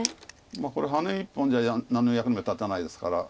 これハネ１本じゃ何の役にも立たないですから。